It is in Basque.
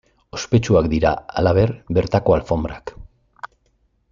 Ospetsuak dira, halaber, bertako alfonbrak.